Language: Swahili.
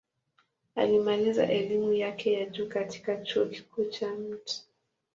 Alimaliza elimu yake ya juu katika Chuo Kikuu cha Mt.